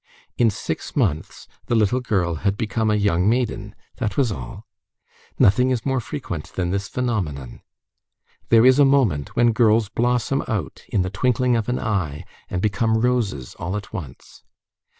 In six months the little girl had become a young maiden; that was all. Nothing is more frequent than this phenomenon. There is a moment when girls blossom out in the twinkling of an eye, and become roses all at once.